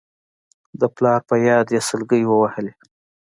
د پلار په ياد يې سلګۍ ووهلې.